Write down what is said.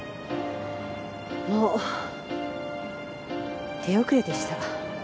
もう手遅れでした。